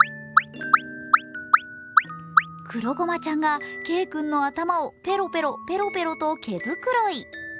くろごまちゃんがＫ君の頭をペロペロペロペロと毛繕い。